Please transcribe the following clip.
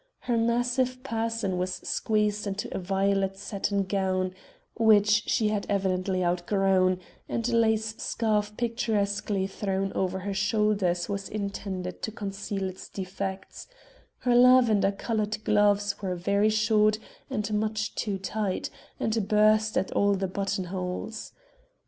Her massive person was squeezed into a violet satin gown, which she had evidently out grown, and a lace scarf picturesquely thrown over her shoulders was intended to conceal its defects; her lavender colored gloves were very short and much too tight, and burst at all the button holes.